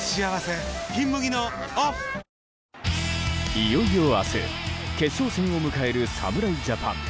いよいよ明日決勝戦を迎える侍ジャパン。